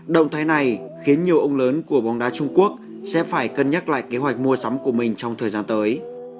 động thái này khiến nhiều ông lớn của bóng đá trung quốc sẽ phải cân nhắc lại kế hoạch mua sắm của mình trong thời gian tới